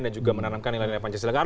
dan juga menanamkan ilan ilan pancasila